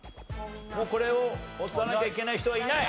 これを押さなきゃいけない人はいない！